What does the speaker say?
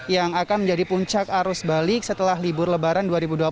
yang akan menjadi puncak arus balik setelah libur lebaran dua ribu dua puluh satu